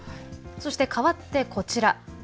そしてかわってこちら。